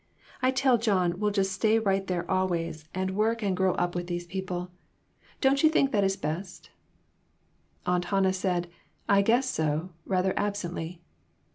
I tell John we'll just stay right there always, and work and grow 132 RECONCILIATIONS. up with the people. Don't you think that is best ?" Aunt Hannah said, "I guess so," rather absently.